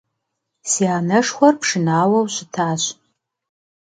Си анэшхуэр пшынауэу щытащ.